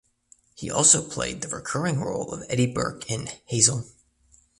He also played the recurring role of Eddy Burke in "Hazel".